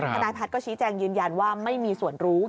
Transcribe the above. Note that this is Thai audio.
ทนายพัฒน์ก็ชี้แจงยืนยันว่าไม่มีส่วนรู้